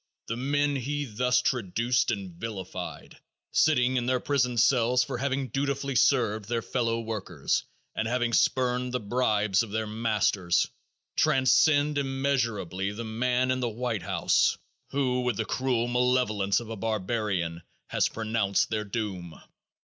The men he thus traduced and vilified, sitting in their prison cells for having dutifully served their fellow workers and having spurned the bribes of their masters, transcend immeasurably the man in the White House, who, with the cruel malevolence of a barbarian, has pronounced their doom.